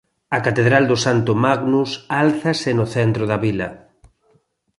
A catedral do Santo Magnus álzase no centro da vila.